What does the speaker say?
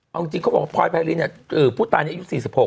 เอาจริงเขาบอกว่าพลอยไพรินเนี่ยคือผู้ตายในอายุ๔๖